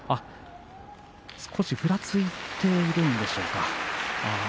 少しふらついているんでしょうか。